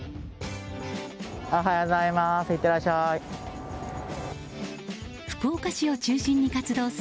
おはようございます。